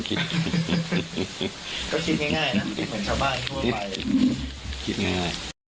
คิดง่าย